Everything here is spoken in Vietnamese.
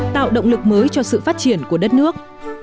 tạo động lực mới cho sự phát triển của đất nước